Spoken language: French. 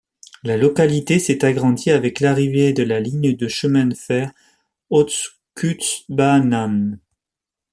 La localité s'est agrandie avec l'arrivée de la ligne de chemin de fer Ostkustbanan.